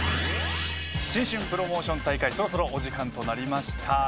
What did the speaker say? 新春プロモーション大会そろそろお時間となりました。